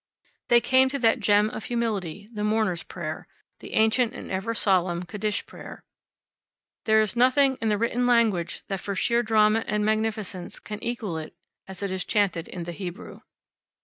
They came to that gem of humility, the mourners' prayer; the ancient and ever solemn Kaddish prayer. There is nothing in the written language that, for sheer drama and magnificence, can equal it as it is chanted in the Hebrew.